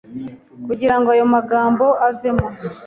kugira ngo ayo magambo avemo